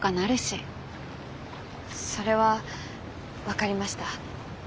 それは分かりました。